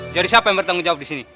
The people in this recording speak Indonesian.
jadi siapa yang bertanggung jawab disini